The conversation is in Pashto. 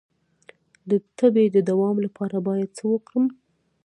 د تبې د دوام لپاره باید څه وکړم؟